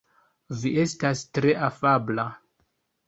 Vi estas tre afabla.